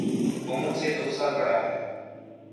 وہ مجھ سے دو سال بڑا ہے